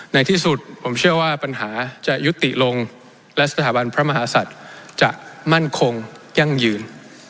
ในที่สุดผมเชื่อว่าปัญหาจะยุติลงและสถาบันพระมหาศัตริย์จะมั่นคงยั่งยืน